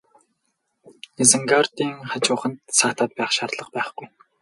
Изенгардын хажууханд саатаад байх шаардлага байхгүй.